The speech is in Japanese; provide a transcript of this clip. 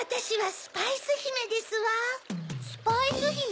スパイスひめ？